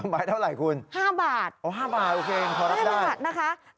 ไม้เท่าไรคุณ๕บาทพอรับได้โอ้๕บาทโอเคพอรับได้